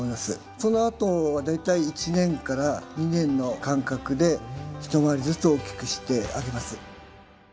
そのあとは大体１年から２年の間隔で一回りずつ大きくしてあげます。